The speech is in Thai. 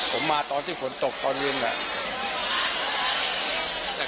ผมมาตอนที่ฝนตกตอนเย็นน่ะ